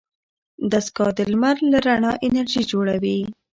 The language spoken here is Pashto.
دستګاه د لمر له رڼا انرژي جوړوي.